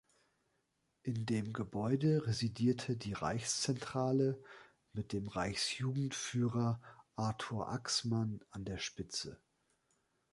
In dem Gebäude residierte die Reichszentrale mit dem "Reichsjugendführer" Artur Axmann an der Spitze.